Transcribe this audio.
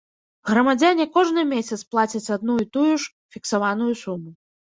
Грамадзяне кожны месяц плацяць адну і тую ж фіксаваную суму.